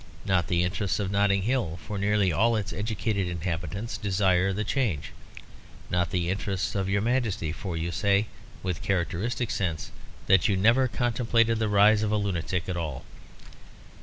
Not the interests of Notting Hill, for nearly all its educated inhabitants desire the change. Not the interests of your Majesty, for you say, with characteristic sense, that you never contemplated the rise of the lunatic at all.